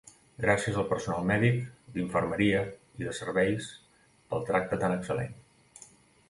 Gràcies al personal mèdic, d’infermeria i de serveis pel tracte tan excel·lent.